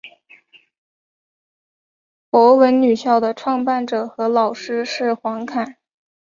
博文女校的创办者和校长是黄侃。